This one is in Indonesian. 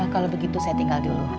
kalau begitu saya tinggal dulu